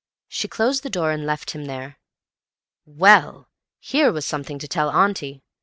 She closed the door and left him there. Well! Here was something to tell auntie!